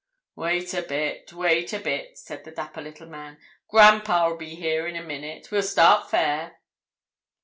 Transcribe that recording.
"Wait a bit, wait a bit," said the dapper little man. "Grandpa'll be here in a minute. We'll start fair."